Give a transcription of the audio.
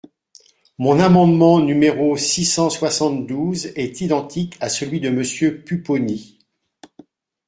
Mon amendement numéro six cent soixante-douze est identique à celui de Monsieur Pupponi.